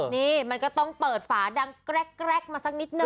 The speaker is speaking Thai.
นี่มันก็ต้องเปิดฝาดังแกรกมาสักนิดนึ